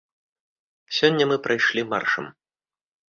Сёння мы прайшлі маршам.